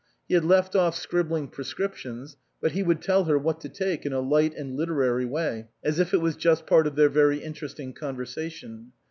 He had left off scribbling prescriptions, but he would tell her what to take in a light and literary way, as if it was just part of their very interesting conversation.